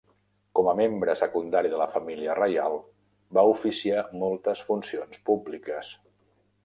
Com a membre secundari de la família reial, va oficiar moltes funcions públiques.